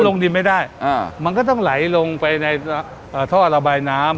ลงดินไม่ได้มันก็ต้องไหลลงไปในท่อระบายน้ำ